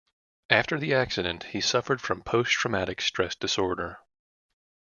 After the accident he suffered from post-traumatic stress disorder.